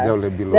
jauh lebih luas